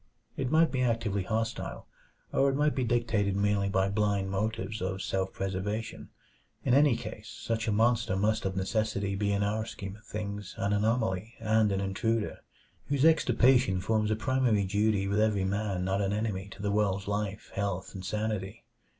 It might be actively hostile, or it might be dictated merely by blind motives of self preservation. In any case such a monster must of necessity be in our scheme of things an anomaly and an intruder, whose extirpation forms a primary duty with every man not an enemy to the world's life, health, and sanity.